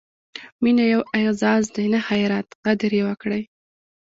مینه یو اعزاز دی، نه خیرات؛ قدر یې وکړئ!